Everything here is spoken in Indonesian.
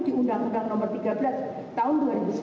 di undang undang nomor tiga belas tahun dua ribu sepuluh